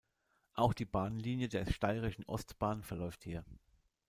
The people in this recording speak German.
Auch die Bahnlinie der Steirischen Ostbahn verläuft hier.